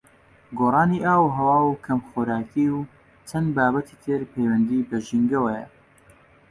گۆڕانی ئاووهەوا و کەمخۆراکی و چەندان بابەتی تری پەیوەند بە ژینگەوە